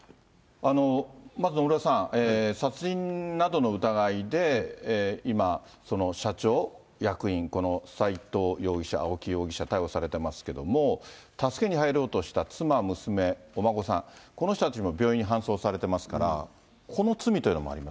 まず野村さん、殺人などの疑いで、今、社長、役員、斎藤容疑者、青木容疑者、逮捕されてますけれども、助けに入ろうとした妻、娘、お孫さん、この人たちも病院に搬送されてますから、この罪というのもありま